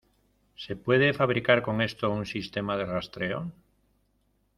¿ se puede fabricar con esto un sistema de rastreo?